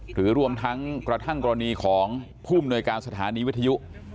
รวมทั้งกระทั่งกรณีของผู้มนวยการสถานีวิทยุ